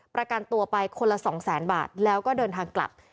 ประกันตัวไปคนละสองแสนบาทแล้วก็เดินทางกลับ